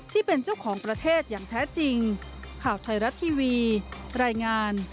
ที่เป็นเจ้าของประเทศอย่างแท้จริง